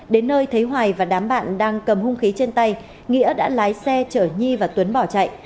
đến nơi thấy hoài và đám bạn đang cầm hung khí trên tay nghĩa đã lái xe chở nhi và tuấn bỏ chạy